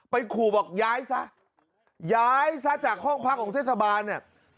ขู่บอกย้ายซะย้ายซะจากห้องพักของเทศบาลเนี่ย